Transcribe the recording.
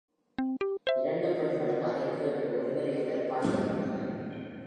இரண்டு பெண்களும் அதைக் கேட்டு ஒருவரை ஒருவர் பார்த்துக் கொண்டனர்.